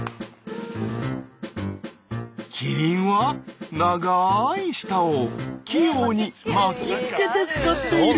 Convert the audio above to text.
キリンは長い舌を器用に巻きつけて使っている。